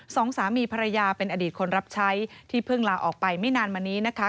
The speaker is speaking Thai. สองสามีภรรยาเป็นอดีตคนรับใช้ที่เพิ่งลาออกไปไม่นานมานี้นะคะ